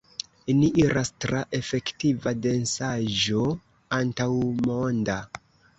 Ni iras tra efektiva densaĵo antaŭmonda!